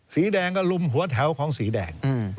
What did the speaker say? สีแดงก็ลุมหัวแถวของสีแดง